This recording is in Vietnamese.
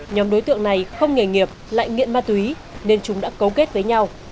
nhóm đối tượng này không nghề nghiệp lại nghiện ma túy nên chúng đã cấu kết với nhau